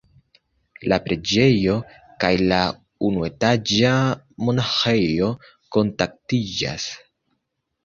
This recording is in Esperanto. La preĝejo kaj la unuetaĝa monaĥejo kontaktiĝas.